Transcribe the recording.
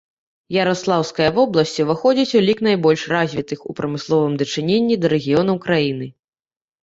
Яраслаўская вобласць уваходзіць у лік найбольш развітых у прамысловым дачыненні да рэгіёнаў краіны.